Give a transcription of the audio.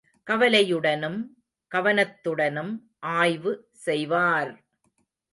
கவலையுடனும் கவனத்துடனும் ஆய்வு செய்வார்!